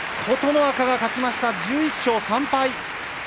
琴ノ若、勝ちました１１勝３敗。